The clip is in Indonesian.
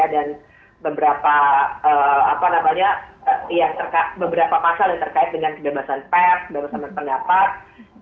dan beberapa pasal yang terkait dengan kebebasan pers kebebasan pendapat